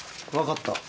わかった。